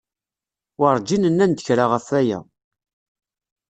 Werǧin nnan-d kra ɣef aya.